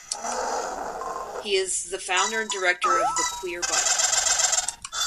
He is the founder and director of "The Queer Bible".